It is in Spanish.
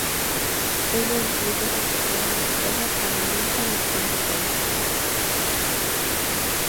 Ella incluso se escapaba de su casa para unirse a las competencias.